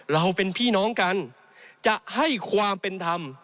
เราเป็นพี่น้องกันจะให้ความเป็นธรรม